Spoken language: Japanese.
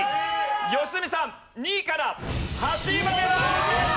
良純さん２位から８位まで転落です！